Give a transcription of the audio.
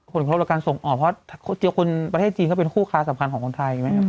ผลครบเป็นการส่งออกเพราะประเทศจีนก็เป็นคู่ค้าสำคัญของคนไทย